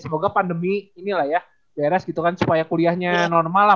semoga pandemi ini lah ya beres gitu kan supaya kuliahnya normal lah